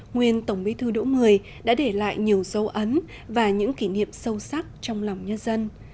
nguyên tổng bí thư đỗ mười đã để lại nhiều dấu ấn và những kỷ niệm sâu sắc trong lòng nhân dân